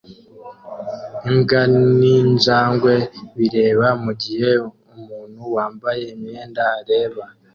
Imbwa ninjangwe bireba mugihe umuntu wambaye imyenda areba